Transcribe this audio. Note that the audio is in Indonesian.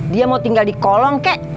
dia mau tinggal di kolong kek